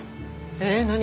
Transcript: えっ何？